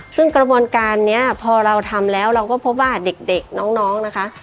ซึ่งกระบวนการนี้พอเราทำแล้วเราก็พบว่าเด็กน้องนะคะ